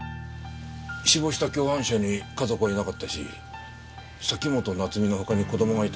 死亡した共犯者に家族はいなかったし崎本菜津美の他に子供がいたなんて